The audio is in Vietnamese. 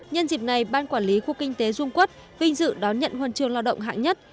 nhân dịp này ban quản lý khu kinh tế dung quốc vinh dự đón nhận huân trường lao động hạng nhất